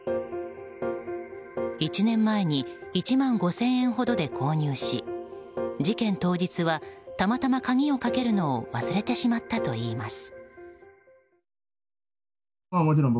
１年前に１万５０００円ほどで購入し事件当日はたまたま鍵をかけるのを忘れてしまったといいます。